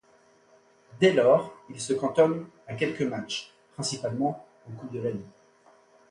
Dès lors, il se cantonne à quelques matchs, principalement en coupe de la Ligue.